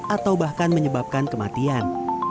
atau bahkan menyebabkan kematian